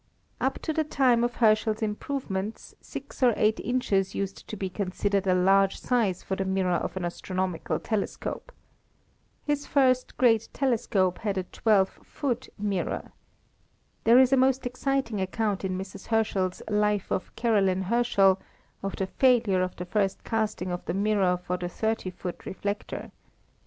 Up to the time of Herschel's improvements, six or eight inches used to be considered a large size for the mirror of an astronomical telescope. His first great telescope had a twelve foot mirror. There is a most exciting account in Mrs. Herschel's Life of Caroline Herschel, of the failure of the first casting of the mirror for the thirty foot reflector.